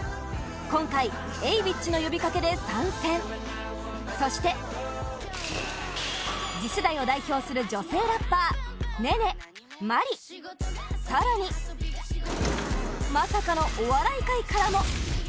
今回、Ａｗｉｃｈの呼びかけで参戦そして、次世代を代表する女性ラッパーＮＥＮＥ、ＭａＲＩ更にまさかのお笑い界からも！